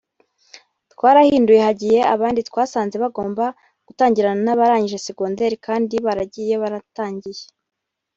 twarahinduye hagiye abandi twasanze bagomba gutangirana nabarangije secondary kandi baragiye baranatangiye